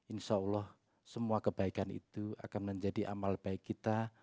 insya allah semua kebaikan itu akan menjadi amal baik kita